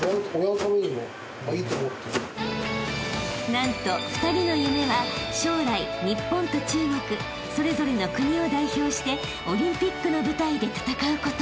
［何と２人の夢は将来日本と中国それぞれの国を代表してオリンピックの舞台で戦うこと］